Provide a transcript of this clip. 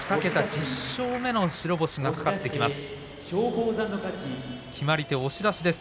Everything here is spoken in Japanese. １０勝目の白星が懸かってきます。